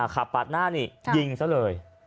ขับปาดหน้านี่ยิงซะเลย